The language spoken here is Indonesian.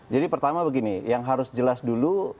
jadi pertama begini yang harus jelas dulu